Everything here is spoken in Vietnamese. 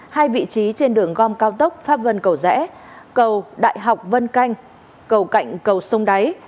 hai vị trí trên đường gom cao tốc pháp vân cầu rẽ cầu đại học vân canh cầu cạnh cầu sông đáy